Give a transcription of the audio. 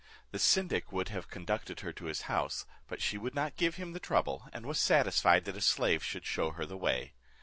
The syndic would have conducted her to his house, but she would not give him the trouble, and was satisfied that a slave should shew her the way.